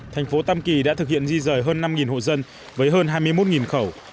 thành phố tam kỳ đã thực hiện di rời hơn năm hộ dân với hơn hai mươi một khẩu